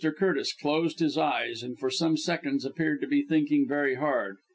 Curtis closed his eyes, and for some seconds appeared to be thinking very hard.